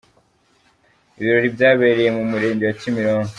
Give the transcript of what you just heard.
Ibirori byabereye mu murenge wa Kimironko.